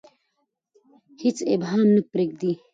هیڅ ابهام نه پریږدي.